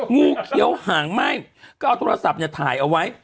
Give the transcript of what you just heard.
งูเขียวหางไหม้ก็เอาโทรศัพท์เนี่ยถ่ายเอาไว้